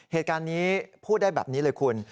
เหตุการณ์นี้พูดได้แบบนี้เลยคุณ